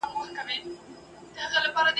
په څو ځله لوستلو یې په معنا نه پوهېږم !.